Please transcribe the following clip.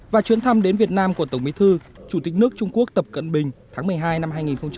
và chuyến thăm đến việt nam của tổng bí thư chủ tịch nước trung quốc tập cận bình tháng một mươi hai năm hai nghìn hai mươi